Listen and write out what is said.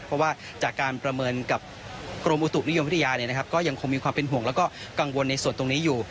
เพราะว่าจากการประเมินกับกรมอุตุนิยมวิทยาก็ยังคงมีความเป็นห่วงแล้วก็กังวลในส่วนตรงนี้อยู่